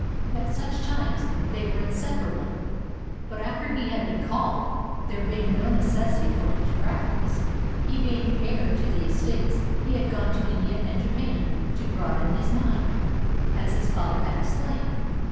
At such times they were inseparable; but after he had been "called" there being no necessity for him to practise, he being heir to the estates he had gone to India and Japan "to broaden his mind," as his father had explained.